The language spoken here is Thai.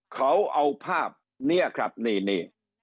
เขาเอาภาพนี้ครับนี่